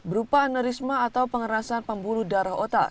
berupa aneurisma atau pengerasan pembuluh darah otak